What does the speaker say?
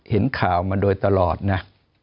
เห็นข่าวมาโดยตลอดนะ